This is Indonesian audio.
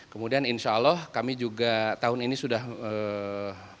kemudian insya allah kami juga tahun ini sudah melakukan